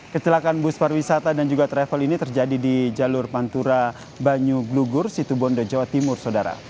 kecelakaan bus pariwisata dan juga travel ini terjadi di jalur pantura banyu glugur situ bondo jawa timur saudara